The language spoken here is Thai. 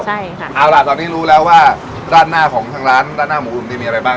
ใช่ค่ะเอาล่ะตอนนี้รู้แล้วว่าด้านหน้าของทางร้านด้านหน้าหมูอุ่นนี่มีอะไรบ้าง